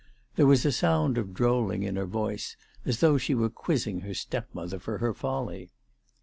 There was a sound of drolling in her voice, as though she were quizzing her stepmother for her folly.